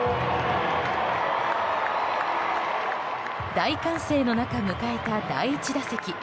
大歓声の中、迎えた第１打席。